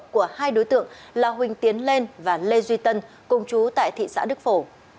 của hai đối tượng là huỳnh tiến lên và lê duy tân cùng chú tại thị xã đức phổ